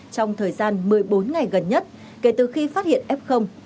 trong thời gian một mươi bốn ngày gần nhất kể từ khi phát hiện f